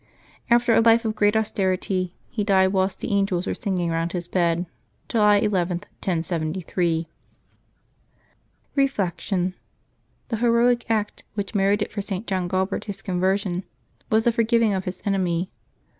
After a life of great austerity, he died whilst the angels were singing round his bed, July 11, 1073. 248 LIVES OF THE SAINTS [July 13 Reflection. — The heroic act which merited for St. John Gualbert his conversion was the forgiveness of his enemy.